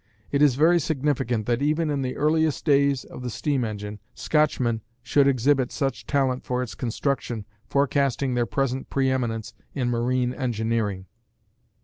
It is very significant that even in the earliest days of the steam engine, Scotchmen should exhibit such talent for its construction, forecasting their present pre eminence in marine engineering.